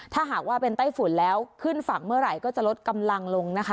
ถ้าหากว่าเป็นไต้ฝุ่นแล้วขึ้นฝั่งเมื่อไหร่ก็จะลดกำลังลงนะคะ